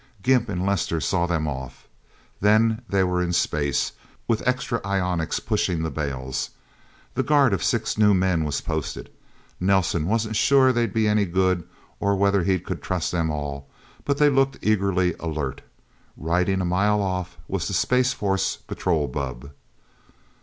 Gimp and Lester saw them off. Then they were in space, with extra ionics pushing the bales. The guard of six new men was posted. Nelsen wasn't sure that they'd be any good, or whether he could trust them all, but they looked eagerly alert. Riding a mile off was the Space Force patrol bubb.